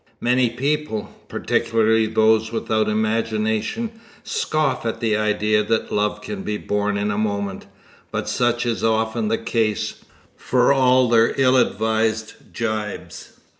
Many people particularly those without imagination scoff at the idea that love can be born in a moment, but such is often the case, for all their ill advised jibes.